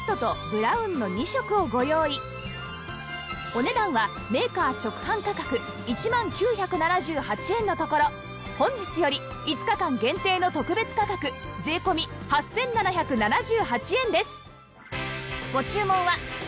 お値段はメーカー直販価格１万９７８円のところ本日より５日間限定の特別価格税込８７７８円です